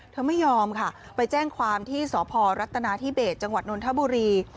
ไม่ยอมค่ะไปแจ้งความที่สพรัฐนาธิเบสจังหวัดนนทบุรี